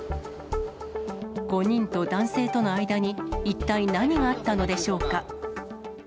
５人と男性との間に一体何があったのでしょうか。